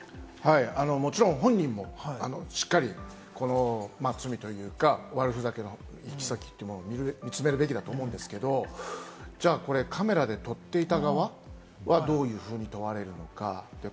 もちろん本人もしっかり罪というか、悪ふざけの行き先を見つめるべきだと思うんですけれども、これカメラで撮っていた側はどういうふうに問われるのか。